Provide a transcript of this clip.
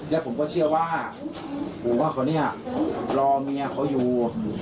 และผมก็เชื่อว่าปู่ว่าเขาเนี่ยรอเมียเขาอยู่